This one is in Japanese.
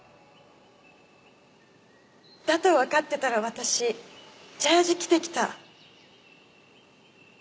だとわかってたら私ジャージー着てきた。